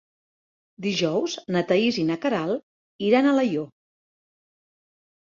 Dijous na Thaís i na Queralt iran a Alaior.